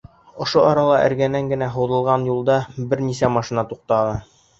Ошо арала эргәнән генә һуҙылған юлда бер нисә машина туҡтаны.